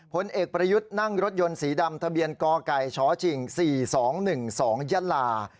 ผลเอกประยุทธ์นั่งรถยนต์สีดำทะเบียนกไก่ชชิง๔๒๑๒ยะลา